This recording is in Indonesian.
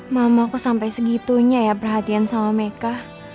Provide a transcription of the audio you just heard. mamah kok sampai segitunya ya perhatian sama meka